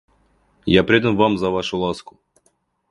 Я предан вам за вашу ласку.